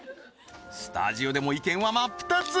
スタジオでも意見は真っ二つ